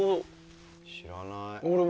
知らない。